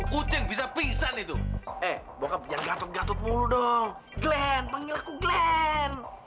kucing bisa pisan itu eh bokap biar gatut gatut mulu dong glenn panggil aku glenn